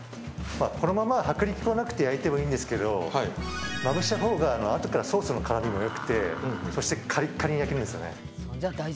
このまま薄力粉なくて焼いてもいいんですけどまぶしたほうがあとからソースの絡みもよくてそしてカリッカリに焼けるんですよね。